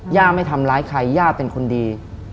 ย่าไม่ทำร้ายใครย่าเป็นคนดี